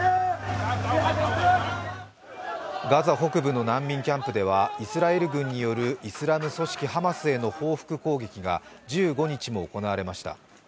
ガザ北部の難民キャンプではイスラエル軍によるイスラム組織ハマスへの報復攻撃が１５日も行われました。